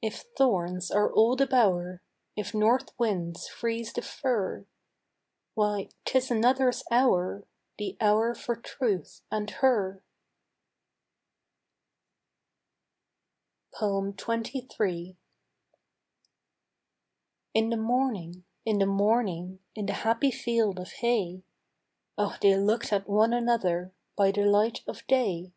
If thorns are all the bower, If north winds freeze the fir, Why, 'tis another's hour, The hour for truth and her. XXIII. In the morning, in the morning, In the happy field of hay, Oh they looked at one another By the light of day.